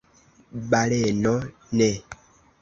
Baleno: "Ne."